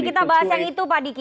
kita bahas yang itu pak diki